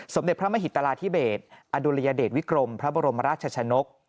สมเด็จพระมหิตราธิเบสอดุลยเดชวิกรมพระบรมราชชนก